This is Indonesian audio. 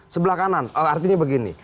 sebelah kanan artinya begini